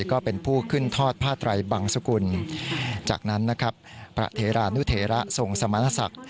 ก็เป็นผู้ขึ้นทอดผ้าไตรบังสุกุลจากนั้นนะครับพระเทรานุเทระทรงสมณศักดิ์